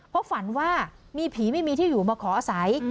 เพราะฝันว่ามีผีไม่มีที่อยู่มาขออาศัย